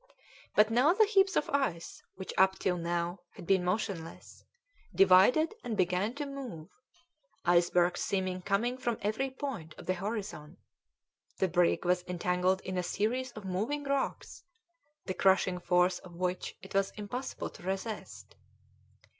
But now the heaps of ice, which up till now had been motionless, divided and began to move; icebergs seemed coming from every point of the horizon; the brig was entangled in a series of moving rocks, the crushing force of which it was impossible to resist.